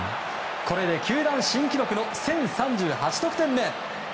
これで球団新記録の１０３８得点目。